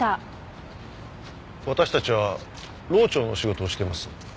私たちは漏調の仕事をしています。